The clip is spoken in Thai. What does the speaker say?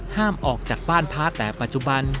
ห้ามออกจากบ้านพระแต่ปัจจุบัน